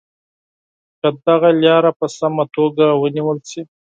که دغه لاره په سمه توګه ونیول شي.